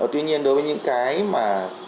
tuy nhiên đối với những cái mà